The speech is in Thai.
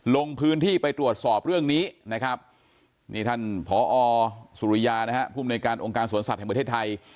ลงพื้นที่ไปตรวจสอบเรื่องนี้นะครับนี่ท่านผอสุริยานะฮะภูมิในการองค์การสวนสัตว์แห่งประเทศไทย